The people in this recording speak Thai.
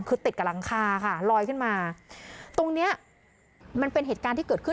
คือติดกับหลังคาค่ะลอยขึ้นมาตรงเนี้ยมันเป็นเหตุการณ์ที่เกิดขึ้น